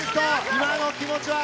今の気持ちは？